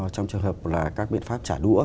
trong trường hợp là các biện pháp trả đũa